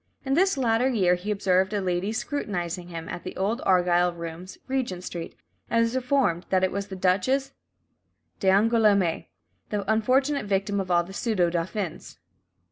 In this latter year he "observed a lady scrutinising him," at the Old Argyle Rooms, Regent Street, and was informed that it was the Duchess d'Angoulême, the unfortunate victim of all the pseudo dauphins.